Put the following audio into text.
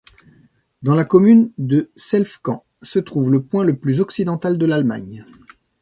Dans la commune de Selfkant se trouve le point le plus occidental de l'Allemagne.